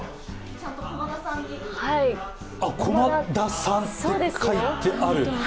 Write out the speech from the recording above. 「駒田さん」って書いてある。